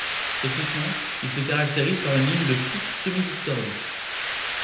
Techniquement, il se caractérise par une ligne de kicks semi-distordus.